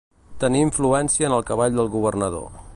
Tenir influència en el cavall del governador.